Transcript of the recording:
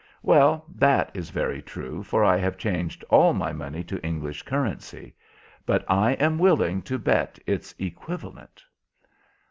"Well, that is very true, for I have changed all my money to English currency; but I am willing to bet its equivalent."